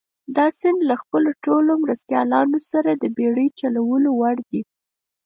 دا سیند له خپلو ټولو مرستیالانو سره د بېړۍ چلولو وړ دي.